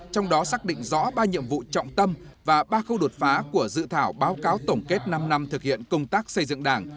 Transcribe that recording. trong đó xác định rõ ba nhiệm vụ trọng tâm và ba khâu đột phá của dự thảo báo cáo tổng kết năm năm thực hiện công tác xây dựng đảng